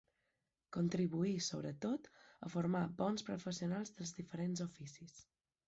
Contribuí, sobretot, a formar bons professionals dels diferents oficis.